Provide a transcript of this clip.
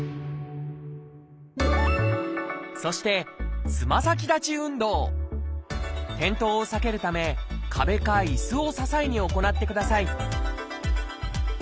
そして転倒を避けるため壁かいすを支えに行ってください